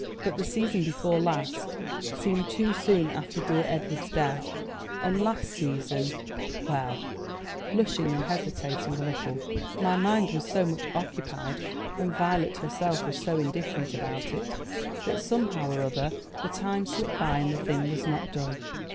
But the season before last seemed too soon alter dear Edward's death, and last season, well" blushing and hesitating a little "my mind was so much occupied, and Violet herself was so indifferent about it, that somehow or other the time slipped by and the thing was not done.